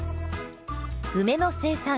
梅の生産